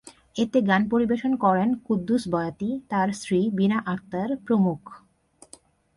এতে গান পরিবেশন করেন কুদ্দুছ বয়াতি, তাঁর স্ত্রী বিনা আক্তার প্রমুখ।